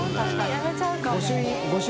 辞めちゃうかも。